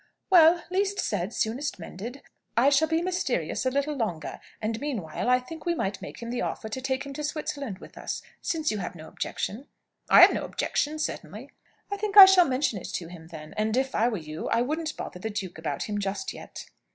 "Well, least said, soonest mended. I shall be mysterious a little longer. And, meanwhile, I think we might make him the offer to take him to Switzerland with us, since you have no objection." "I have no objection, certainly." "I think I shall mention it to him, then. And, if I were you, I wouldn't bother the duke about him just yet."